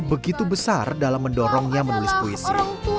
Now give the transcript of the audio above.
begitu besar dalam mendorongnya menulis puisi